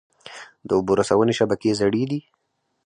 د اوبو رسونې شبکې زړې دي؟